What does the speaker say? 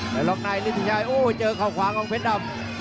แล้วลองนายลิติชัยโอ้โหเจอข้าวขวาของเพชรดำ